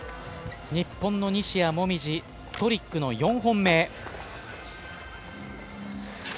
日本の西矢椛、トリックの４本目。